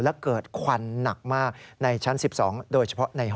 และเกิดควันหนักมากในชั้น๑๒